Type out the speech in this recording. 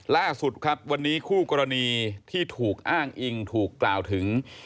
ล่าสุดครับวันนี้คู่กรณีที่ถูกอ้างอิงถูกกล่าวถึง